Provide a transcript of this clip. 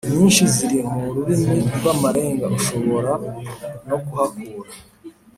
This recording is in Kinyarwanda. inyinshi ziri mu rurimi rw amarenga Ushobora no kuhakura